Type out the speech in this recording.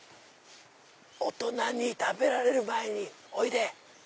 大人に食べられる前においで！